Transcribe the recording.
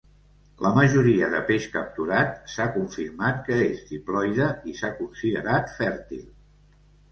La majoria de peix capturat s'ha confirmat que és diploide i s'ha considerat fèrtil.